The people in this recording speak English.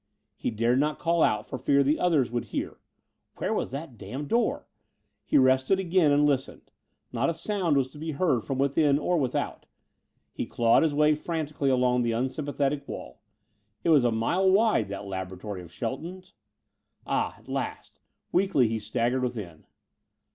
He dared not call out for fear the others would hear. Where was that damned door? He rested again and listened. Not a sound was to be heard from within or without. He clawed his way frantically along the unsympathetic wall. It was a mile wide, that laboratory of Shelton's. Ah at last! Weakly, he staggered within.